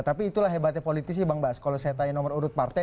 tapi itulah hebatnya politisi bang bas kalau saya tanya nomor urut partai